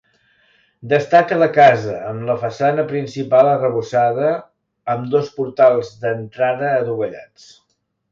Destaca la casa, amb la façana principal arrebossada, amb dos portals d'entrada adovellats.